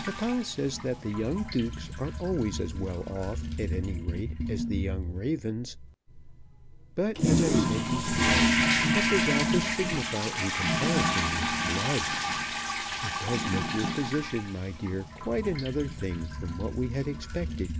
Papa says that the young dukes are always as well off, at any rate, as the young ravens. But, as I said before, what does all this signify in comparison with BLOOD. It does make your position, my dear, quite another thing from what we had expected.